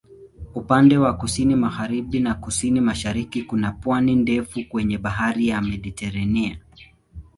Upande wa kusini-magharibi na kusini-mashariki kuna pwani ndefu kwenye Bahari ya Mediteranea.